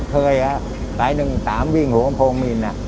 ผมเคยอ่ะปลายหนึ่ง๓วิ่งหัวข้างโพงมินอ่ะ